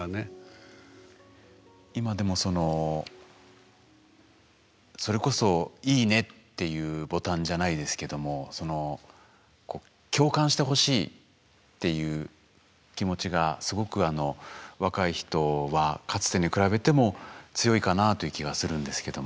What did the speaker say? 今でもそのそれこそ「いいね」っていうボタンじゃないですけどもその「共感してほしい」っていう気持ちがすごくあの若い人はかつてに比べても強いかなという気はするんですけども。